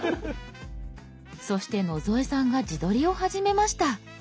そして野添さんが自撮りを始めました。